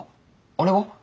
あれは？